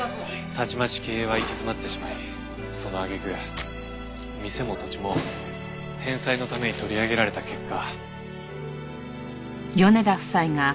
たちまち経営は行き詰まってしまいその揚げ句店も土地も返済のために取り上げられた結果。